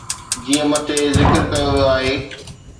جيئن مٿي ذڪر ڪيو ويو آهي.